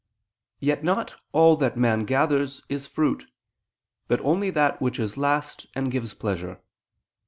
Yet not all that man gathers is fruit, but only that which is last and gives pleasure.